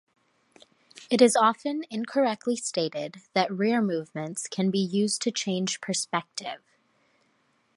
It is often incorrectly stated that rear movements can be used to change perspective.